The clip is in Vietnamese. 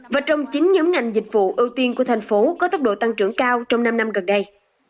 và trong chín nhóm ngành dịch vụ ưu tiên của thành phố có tốc độ tăng trưởng cao trong năm năm gần đây